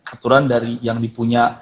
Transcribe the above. aturan dari yang dipunya